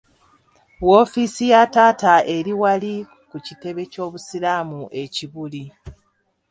Woofiisi ya taata eri wali ku kitebe ky’Obusiraamu e Kibuli.